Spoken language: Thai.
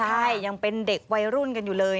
ใช่ยังเป็นเด็กวัยรุ่นกันอยู่เลย